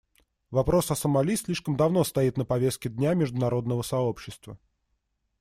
Вопрос о Сомали слишком давно стоит на повестке дня международного сообщества.